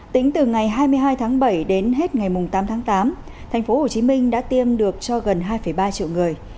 tính từ ngày hai mươi hai tháng bảy đến hết ngày tám tháng tám tp hcm đã tiêm được cho gần hai ba triệu người